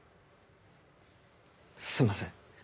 すんません。